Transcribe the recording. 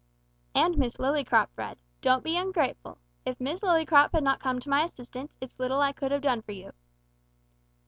"And Miss Lillycrop, Fred. Don't be ungrateful. If Miss Lillycrop had not come to my assistance, it's little I could have done for you."